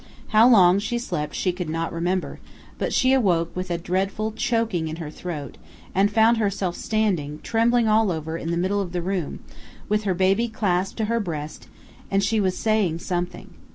How long she slept she could not remember, but she awoke with a dreadful choking in her throat, and found herself standing, trembling all over, in the middle of the room, with her baby clasped to her breast, and she was "saying something."